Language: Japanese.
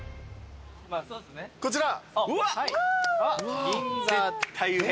こちら。